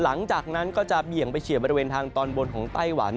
หลังจากนั้นก็จะเบี่ยงไปเฉียบบริเวณทางตอนบนของไต้หวัน